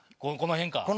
この辺か？